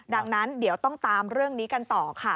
ดังนั้นเดี๋ยวต้องตามเรื่องนี้กันต่อค่ะ